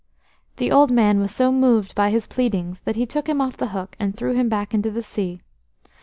The old man was so moved by his pleadings that he took him off the hook and threw him back into the sea.